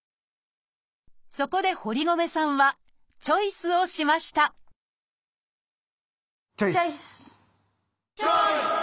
そこで堀米さんはチョイスをしましたチョイス！